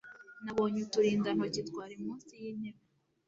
nabonye uturindantoki twari munsi y'intebe